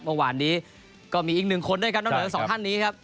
เมื่อวานนี้ก็มีอีกหนึ่งคนด้วยครับนอกเหนือทั้งสองท่านนี้ครับ